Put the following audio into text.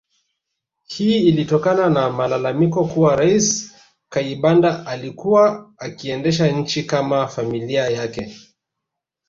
Hii ilitokana na malalamiko kuwa Rais Kayibanda alikuwa akiendesha nchi kama familia yake